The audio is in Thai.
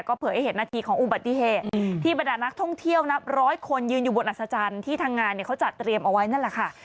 เผยให้เห็นนาทีของอุบัติเหตุที่บรรดานักท่องเที่ยวนับร้อยคนยืนอยู่บนอัศจรรย์ที่ทางงานเนี่ยเขาจัดเตรียมเอาไว้นั่นแหละค่ะ